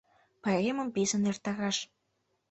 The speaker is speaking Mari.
Пайремым писын эртараш.